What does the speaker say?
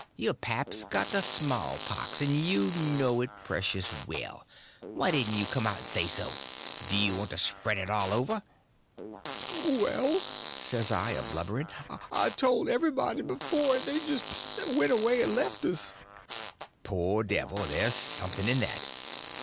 Your pap's got the small pox, and you know it precious well. Why didn't you come out and say so? Do you want to spread it all over?" "Well," says I, a blubbering, "I've told everybody before, and they just went away and left us." "Poor devil, there's something in that.